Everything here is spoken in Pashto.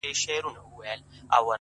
چي د «لر او بر یو افغان» -